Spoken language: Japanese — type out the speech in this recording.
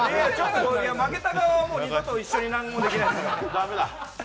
負けた側は二度と一緒にできないですね。